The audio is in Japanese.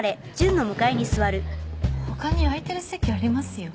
他に空いてる席ありますよ？